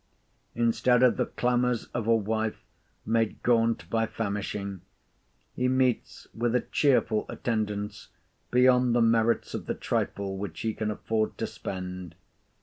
Instead of the clamours of a wife, made gaunt by famishing, he meets with a cheerful attendance beyond the merits of the trifle which he can afford to spend.